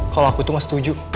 kalo aku itu gak setuju